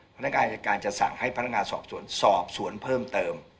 พนักงานอายการจะสั่งให้พนักงานสอบสวนสอบสวนเพิ่มเติม